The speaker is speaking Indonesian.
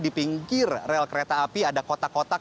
di pinggir rel kereta api ada kotak kotak